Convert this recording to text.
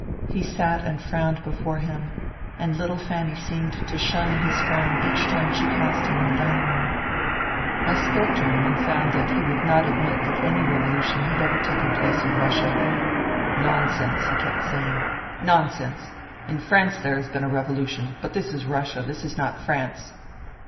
He sat and frowned before him, and little Fanny seemed to shun his frown each time she passed him in the dining room. I spoke to him and found that he would not admit that any revolution had ever taken place in Russia. " Nonsense," he kept saying. " Nonsense. In France there has been a revolution. But this is Russia. This is not France."